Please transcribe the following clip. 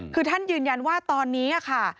คือท่านยืนยันว่าตอนนี้ค่ะ